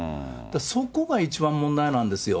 そこが一番問題なんですよ。